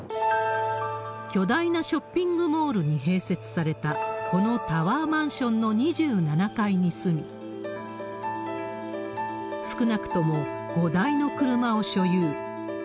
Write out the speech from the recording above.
巨大なショッピングモールに併設された、このタワーマンションの２７階に住み、少なくとも５台の車を所有。